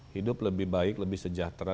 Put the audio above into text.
hidup lebih baik lebih sejahtera